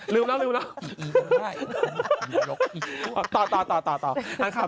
ลืมแล้ว